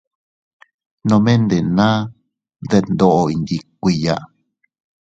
Nome ndenaa detndoʼo iyndikuiya.